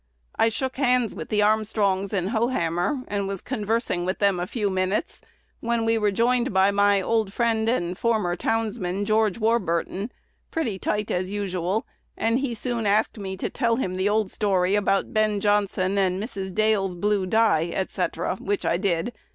I shook hands with the Armstrongs and Hohammer, and was conversing with them a few minutes, when we were joined by my old friend and former townsman, George Warburton, pretty tight as usual; and he soon asked me to tell him the old story about Ben Johnson and Mrs. Dale's blue dye, &c., which I did.